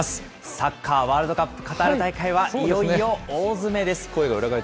サッカーワールドカップカタール大会は、いよいよ大詰めです。